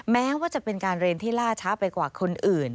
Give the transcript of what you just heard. แม้ว่าจะเป็นการเรียนที่ล่าช้าไปกว่าคนอื่น